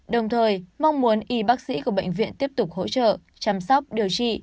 đồng thời mong muốn y bác sĩ của bệnh viện tiếp tục hỗ trợ chăm sóc điều trị